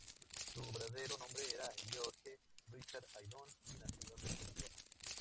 Su verdadero nombre era George Richard Haydon, y nació en Londres, Inglaterra.